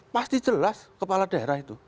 pasti jelas kepala daerah itu